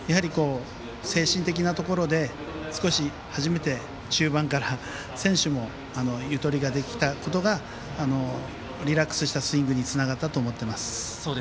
精神的なところで少し初めて中盤から選手もゆとりができたことがリラックスしたスイングにつながったと思っています。